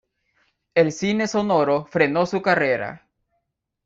El cine sonoro frenó su carrera.